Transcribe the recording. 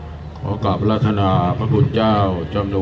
อธินาธาเวระมะนิสิขาปะทังสมาธิยามี